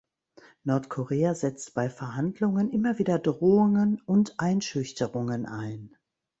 Nordkorea setzt bei Verhandlungen immer wieder Drohungen und Einschüchterungen ein.